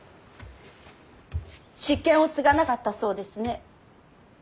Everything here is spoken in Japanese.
執権を継がなかったそうですね。